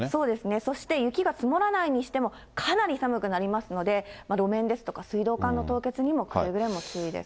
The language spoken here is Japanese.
そして雪が積もらないにしても、かなり寒くなりますので、路面ですとか水道管の凍結にもくれぐれも注意です。